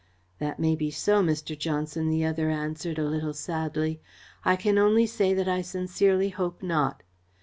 "That may be so, Mr. Johnson," the other answered, a little sadly. "I can only say that I sincerely hope not.